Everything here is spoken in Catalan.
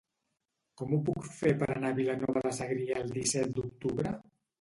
Com ho puc fer per anar a Vilanova de Segrià el disset d'octubre?